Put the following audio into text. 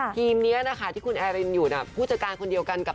ทีมนี้นะคะที่คุณแอรินอยู่ผู้จัดการคนเดียวกันกับ